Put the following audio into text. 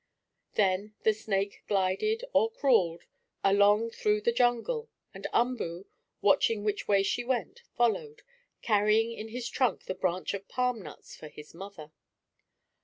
Then the snake glided, or crawled, along through the jungle, and Umboo, watching which way she went, followed, carrying in his trunk the branch of palm nuts for his mother.